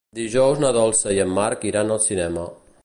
Dijous na Dolça i en Marc iran al cinema.